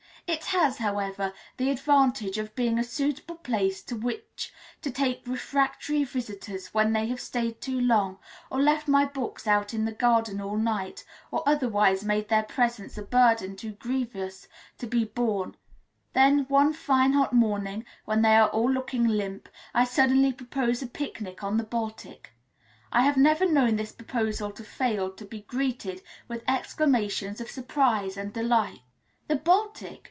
It has, however, the advantage of being a suitable place to which to take refractory visitors when they have stayed too long, or left my books out in the garden all night, or otherwise made their presence a burden too grievous to be borne; then one fine hot morning when they are all looking limp, I suddenly propose a picnic on the Baltic. I have never known this proposal fail to be greeted with exclamations of surprise and delight. "The Baltic!